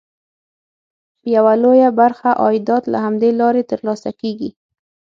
یوه لویه برخه عایدات له همدې لارې ترلاسه کېږي.